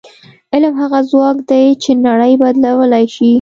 علم هغه ځواک دی چې نړۍ بدلولی شي.